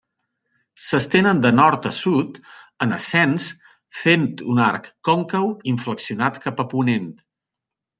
S'estenen de nord a sud, en ascens, fent un arc còncau inflexionat cap a ponent.